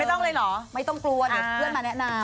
ต้องเลยเหรอไม่ต้องกลัวเดี๋ยวเพื่อนมาแนะนำ